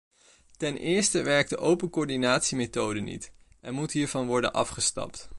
Ten eerste werkt de open coördinatiemethode niet en moet hiervan worden afgestapt.